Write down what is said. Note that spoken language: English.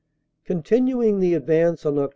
20 30 355 "Continuing the advance on Oct.